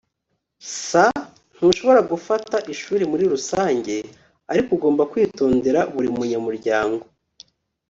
s] ntushobora gufata ishuri muri rusange, ariko ugomba kwitondera buri munyamuryango